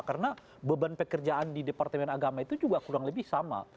karena beban pekerjaan di departemen agama itu juga kurang lebih sama